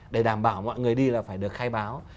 để đảm bảo mọi người đi là phải được khai báo